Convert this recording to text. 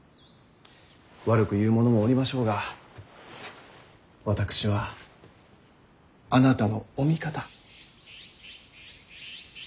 悪く言う者もおりましょうが私はあなたのお味方。